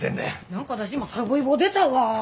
何か私今さぶいぼ出たわ。